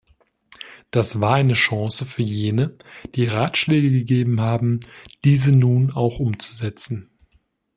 Das war eine Chance für jene, die Ratschläge gegeben haben, diese nun auch umzusetzen.